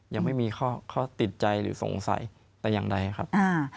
ยังไม่มีข้อติดใจหรือสงสัยแต่อย่างใดครับ